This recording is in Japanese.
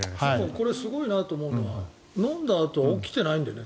これ、すごいなと思うのは飲んだあと起きていないんだよね